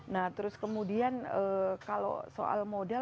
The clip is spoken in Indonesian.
nah terus kemudian kalau soal modal